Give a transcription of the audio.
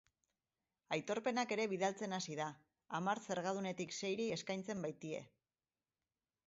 Aitorpenak ere bidaltzen hasi da, hamar zergadunetik seiri eskaintzen baitie.